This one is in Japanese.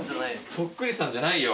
そっくりさんじゃないよ。